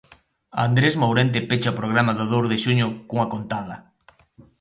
Andrés Mourente pecha o programa do dous de xuño cunha contada.